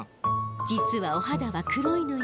実はお肌は黒いのよ。